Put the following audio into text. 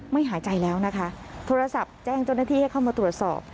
หายใจแล้วนะคะโทรศัพท์แจ้งเจ้าหน้าที่ให้เข้ามาตรวจสอบ